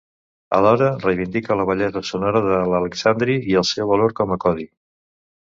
Alhora, reivindica la bellesa sonora de l'alexandrí i el seu valor com a codi.